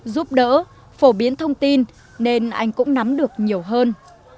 giúp đỡ phổ biến thông tin nên anh cũng nắm được nhiều hơn